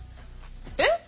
えっ！？